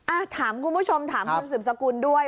อ่ะถามคุณผู้ชมถามคุณสืบสกุลด้วย